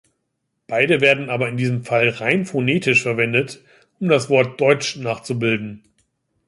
Beide werden aber in diesem Fall rein phonetisch verwendet, um das Wort „"deutsch"“ nachzubilden.